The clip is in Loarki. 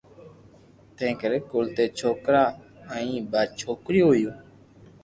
تنهنڪري ڪل ٽي ڇوڪرا ۽ ٻه ڇوڪريون هيون.